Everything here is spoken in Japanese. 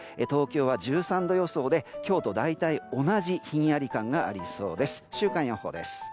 東京は１３度予想で今日と大体同じひんやり感がありそうです。